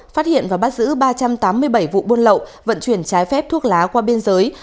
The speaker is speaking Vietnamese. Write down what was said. phát hiện và bắt giữ ba trăm tám mươi bảy vụ buôn lậu vận chuyển trái phép thuốc lá qua biên giới